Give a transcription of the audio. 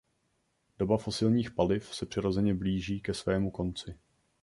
Doba fosilních paliv se přirozeně blíží ke svému konci.